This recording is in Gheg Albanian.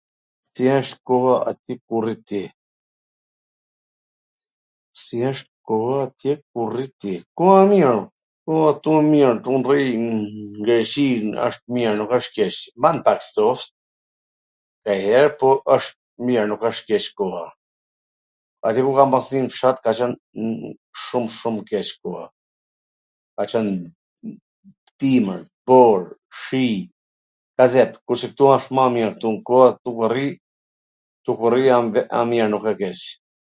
Si asht koha aty ku rri ti? Si wsht koha atje ku rri ti? Koha e mir, koha ktu a e mir, un rri n Greqi asht mir nuk asht keq ... koha, aty ku kam pas qwn nw fshat ka qwn shum shum keq koha, ka qwn dimwr, bor, shi, gazep, kurse ktu wsht ma mir, ktun koha, ktu ku rri, jam vet, a mir nuk w keq